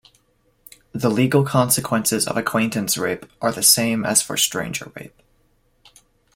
The legal consequences of acquaintance rape are the same as for stranger rape.